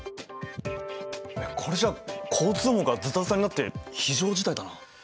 これじゃ交通網がズタズタになって非常事態だな。